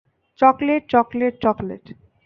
Chocolate, chocolate, chocolate!